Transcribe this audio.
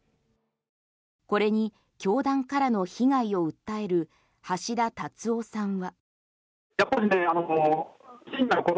これに教団からの被害を訴える橋田達夫さんは。